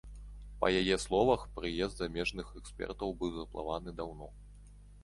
Па яе словах, прыезд замежных экспертаў быў запланаваны даўно.